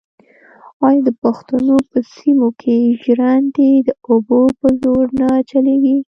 آیا د پښتنو په سیمو کې ژرندې د اوبو په زور نه چلېږي؟